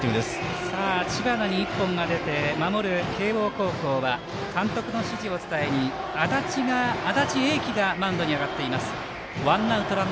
知花に１本が出て守る、慶応高校は監督の指示を伝えに安達英輝がマウンドに上がっています。